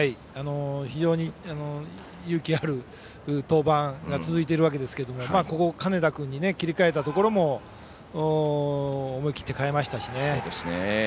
非常に勇気ある登板が続いているわけですけれども金田君に切り替えたところも思い切って代えましたしね。